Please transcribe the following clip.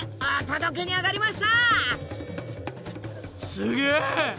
すげえ！